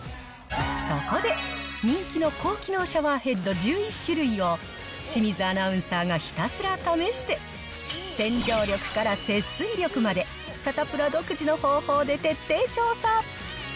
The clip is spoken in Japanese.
そこで、人気の高機能シャワーヘッド１１種類を、清水アナウンサーがひたすら試して、洗浄力から節水力まで、気持ちいい！